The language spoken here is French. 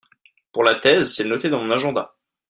pour la thèse, c'est noté dans mon agenda.